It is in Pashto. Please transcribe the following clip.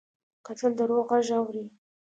کتل د روح غږ اوري